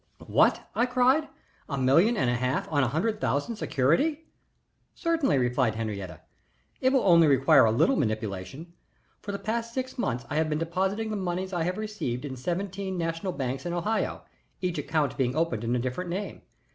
"What!" I cried. "A million and a half on a hundred thousand security?" "Certainly," replied Henriette, "only it will require a little manipulation. For the past six months I have been depositing the moneys I have received in seventeen national banks in Ohio, each account being opened in a different name.